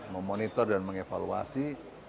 memonitor dan mengevaluasi